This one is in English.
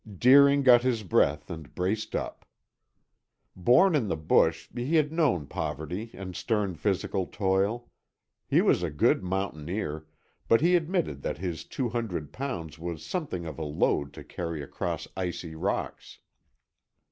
Deering got his breath and braced up. Born in the bush, he had known poverty and stern physical toil. He was a good mountaineer, but he admitted that his two hundred pounds was something of a load to carry across icy rocks.